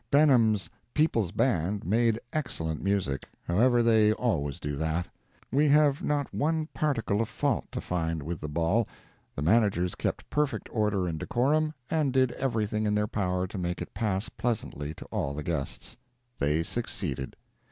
Benham's "People's Band" made excellent music; however, they always do that. We have not one particle of fault to find with the ball; the managers kept perfect order and decorum, and did everything in their power to make it pass pleasantly to all the guests. They succeeded.